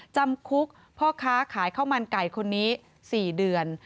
จำคุกพ่อค้าขายข้าวมันไก่คนนี้๔เดือน